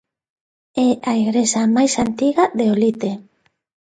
É a igrexa máis antiga de Olite.